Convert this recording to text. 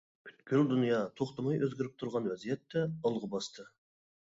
پۈتكۈل دۇنيا توختىماي ئۆزگىرىپ تۇرغان ۋەزىيەتتە ئالغا باستى.